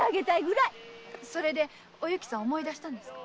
それでおゆきさん思い出したんですか？